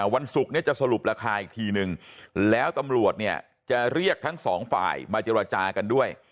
วันศุกร์เนี่ยจะสรุปราคาอีกทีนึงแล้วตำรวจเนี่ยจะเรียกทั้งสองฝ่ายมาเจรจากันด้วย